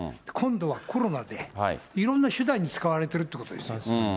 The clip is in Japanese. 今度はコロナで、いろんな手段に使われてるということですよ。